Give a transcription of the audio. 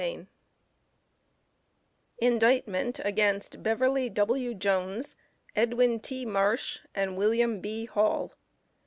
INDICTMENT AGAINST BEVERLY W. JONES, EDWIN T. MARSH, AND WILLIAM B. HALL.